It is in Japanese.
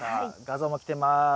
画像も来てます。